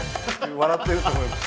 笑っていると思います。